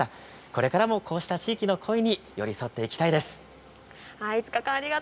これからもこうした方々に寄り添っていきたいです。